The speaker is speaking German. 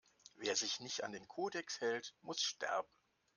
Wer sich nicht an den Kodex hält, muss sterben!